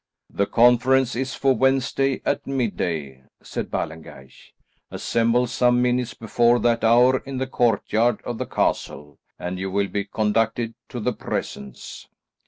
"The conference is for Wednesday at midday," said Ballengeich. "Assemble some minutes before that hour in the courtyard of the castle, and you will be conducted to the Presence."